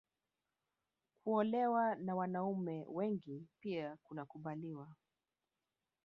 Kuolewa na wanaume wengi pia kunakubaliwa